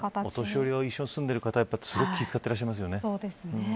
お年寄りと一緒に住んでる方は気を使ってらっしゃいますよね。